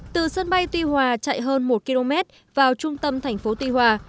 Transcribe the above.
từ sân bay tuy hòa chạy hơn một km vào trung tâm thành phố tuy hòa